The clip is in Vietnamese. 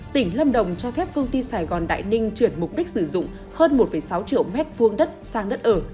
tỉnh lâm đồng cho phép công ty sài gòn đại ninh chuyển mục đích sử dụng hơn một sáu triệu m hai đất sang đất ở